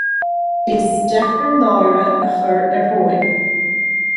Is deacair náire a chur ar thóin.